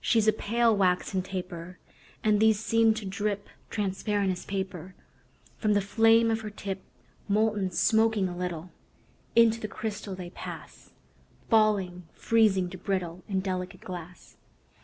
She's a pale, waxen taper; And these seem to drip Transparent as paper From the flame of her tip. Molten, smoking a little, Into crystal they pass; Falling, freezing, to brittle And delicate glass.